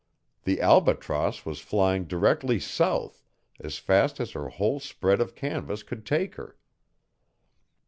The Albatross was flying directly south as fast as her whole spread of canvas could take her.